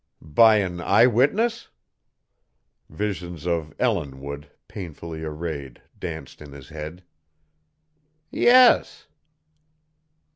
"By an eye witness?" Visions of Ellinwood, painfully arrayed, danced in his head. "Yes."